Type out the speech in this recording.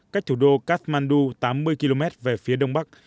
cách thủ đô kasmandu tám mươi km về phía đông bắc